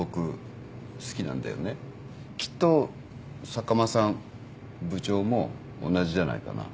きっと坂間さん部長も同じじゃないかな。